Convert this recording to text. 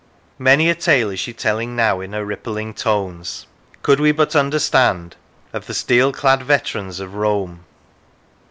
Many a tale is she telling now, in her rippling tones, could we but understand, of the steel clad veterans of Rome.